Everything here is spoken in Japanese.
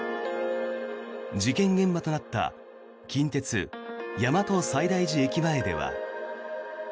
事件現場となった近鉄大和西大寺駅前では。